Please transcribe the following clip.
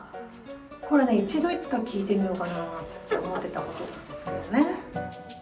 これ一度いつか聞いてみようかなって思ってたことなんですけどね。